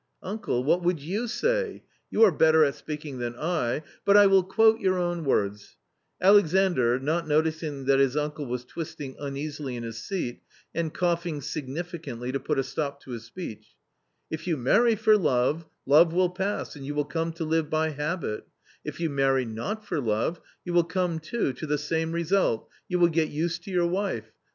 Uncle, what would you say? You are better at speaking than I But I will quote your own words," Q j\ Alexandr, not noticing that his uncle was twisting uneasily in his seat and coughing significantly to put a stop to his V5^ y speech; "if you marry for love, love will pass and you will come to live by habit ; if you marry not for love, you will come too to the same result; you will get used to your wife.